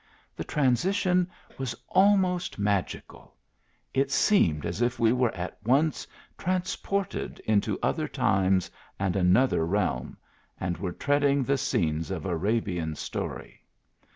The transition was almost magical ; it seemed as if we were at once transported into other times and another realm, and were treacling the scenes of Arabian story.